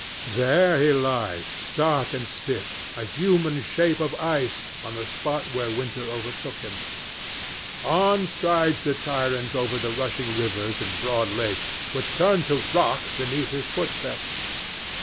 There he lies stark and stiff, a human shape of ice, on the spot where Winter overtook him. On strides the tyrant over the rushing rivers and broad lakes, which turn to rock beneath his footsteps.